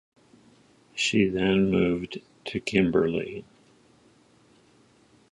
She then moved to Kimberley.